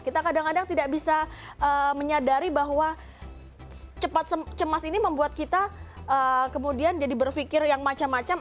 kita kadang kadang tidak bisa menyadari bahwa cepat cemas ini membuat kita kemudian jadi berpikir yang macam macam